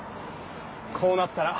こうなったら。